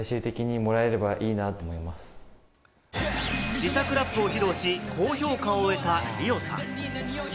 自作ラップを披露し、高評価を得た、リオさん。